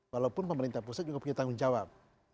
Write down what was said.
walaupun pemerintah pusat juga punya tanggung jawab